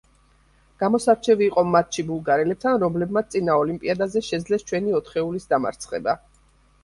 გამოსარჩევი იყო მატჩი ბულგარელებთან, რომლებმაც წინა ოლიმპიადაზე შესძლეს ჩვენი ოთხეულის დამარცხება.